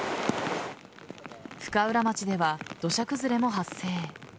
深浦町では土砂崩れも発生。